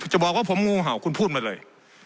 บอกว่าผมงูเห่าคุณพูดมาเลย